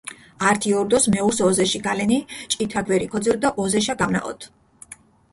ართი ორდოს მეურს ოზეში გალენი, ჭითა გვერი ქოძირჷ დო ოზეშა გამნაჸოთჷ.